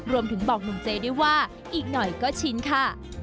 รวมถึงบอกหนุ่มเจด้วยว่าอีกหน่อยก็ชินค่ะ